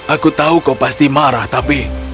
aku tahu kau pasti marah tapi